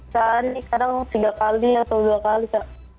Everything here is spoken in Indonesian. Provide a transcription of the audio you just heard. sekarang tiga kali atau dua kali kak